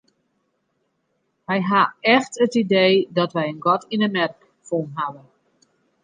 Wy hawwe echt it idee dat wy in gat yn 'e merk fûn hawwe.